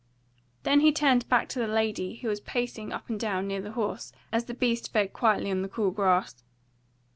Then he turned back to the lady, who was pacing up and down near the horse as the beast fed quietly on the cool grass.